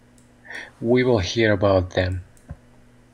We will hear about them.